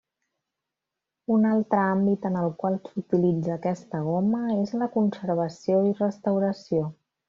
Un altre àmbit en el qual s'utilitza aquesta goma, és la conservació i restauració.